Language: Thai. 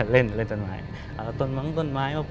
เล่นต้นไม้